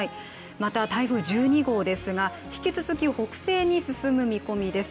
また台風１２号ですが、引き続き北西に進む見込みです。